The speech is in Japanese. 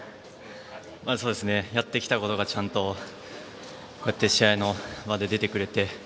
やってきたことがちゃんと試合の場で出てくれて。